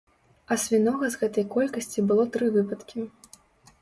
А свінога з гэтай колькасці было тры выпадкі.